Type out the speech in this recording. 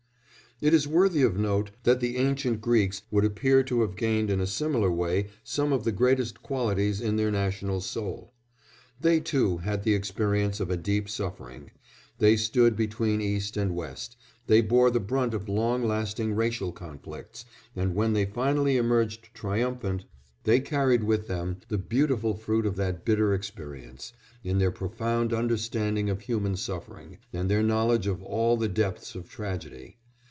It is worthy of note that the ancient Greeks would appear to have gained in a similar way some of the greatest qualities in their national soul. They too had the experience of a deep suffering; they stood between East and West, they bore the brunt of long lasting racial conflicts, and, when they finally emerged triumphant, they carried with them the beautiful fruit of that bitter experience, in their profound understanding of human suffering, and their knowledge of all the depths of tragedy.